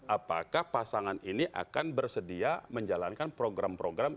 apakah pasangan ini akan bersedia menjalankan program program